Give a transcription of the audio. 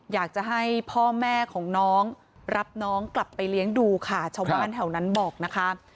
อยากจะให้พ่อแม่ของน้องรับน้องกลับไปเลี้ยงดูค่ะชาวบ้านแถวนั้นบอกนะคะ